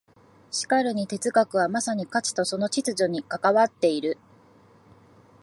しかるに哲学はまさに価値とその秩序に関わっている。